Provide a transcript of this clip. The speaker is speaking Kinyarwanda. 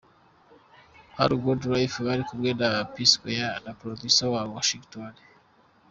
Hano Good Life bari kumwe na P Sqaure na Producer wabo Washington.